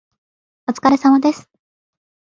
お疲れ様です。